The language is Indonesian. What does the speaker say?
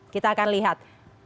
kita akan lihat